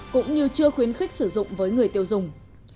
cũng như chưa khuyến khích sử dụng với người tiêu dùng